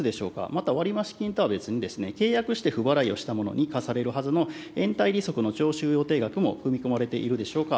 また割増金とは別に契約して不払いをした者に課されるはずの延滞利息の徴収予定額も組み込まれているでしょうか。